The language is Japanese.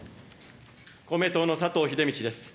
公明党の佐藤英道です。